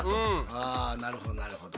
あなるほどなるほど。